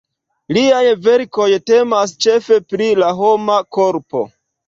Liaj verkoj temas ĉefe pri la homa korpo.